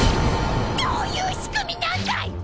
どういう仕組みなんだい